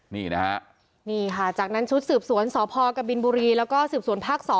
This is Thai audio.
นี่นะฮะนี่ค่ะจากนั้นชุดสืบสวนสพกบแล้วก็สืบสวนพศ